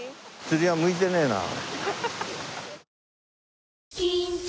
釣りは向いてねえな。